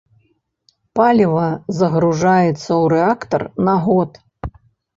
Паліва загружаецца ў рэактар на год.